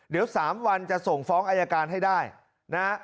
เดี๋ยว๓วันจะส่งฟ้องอายการให้ได้นะฮะ